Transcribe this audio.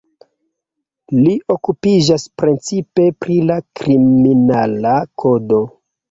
Li okupiĝas precipe pri la kriminala kodo.